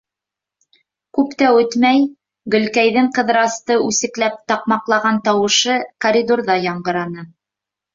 Күп тә үтмәй Гөлкәйҙең Ҡыҙырасты үсекләп таҡмаҡлаған тауышы коридорҙа яңғыраны: